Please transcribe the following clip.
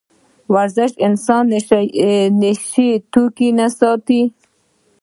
ورزش انسان له نشه يي توکو ساتي.